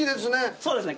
そうですね。